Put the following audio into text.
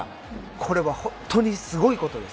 これは、本当にすごいことです。